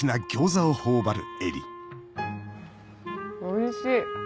おいしい。